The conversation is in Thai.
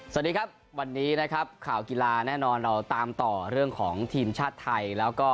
สวัสดีครับวันนี้นะครับข่าวกีฬาแน่นอนเราตามต่อเรื่องของทีมชาติไทยแล้วก็